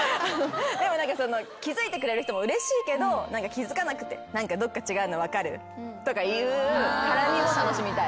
でも何か気付いてくれる人もうれしいけど気付かなくて何かどっか違うの分かる？とかいう絡みも楽しみたい。